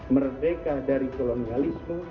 merdeka dari kolonialisme